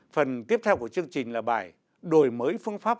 phần tiếp theo của chương trình là bài đổi mới phương pháp